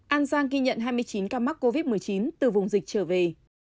an giang ghi nhận hai mươi chín ca mắc covid một mươi chín từ vùng dịch trở về